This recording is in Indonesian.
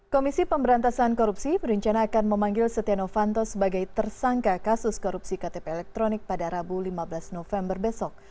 komisi pemberantasan korupsi berencana akan memanggil setia novanto sebagai tersangka kasus korupsi ktp elektronik pada rabu lima belas november besok